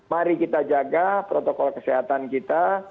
mari kita jaga protokol kesehatan kita